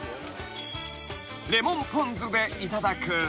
［レモンポン酢でいただく］